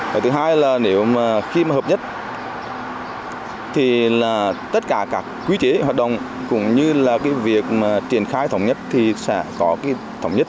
cái thứ hai là nếu mà khi mà hợp nhất thì là tất cả các quy chế hoạt động cũng như là cái việc mà triển khai thống nhất thì sẽ có cái thống nhất